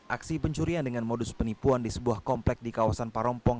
aksi pencurian dengan modus penipuan di sebuah komplek di kawasan parompong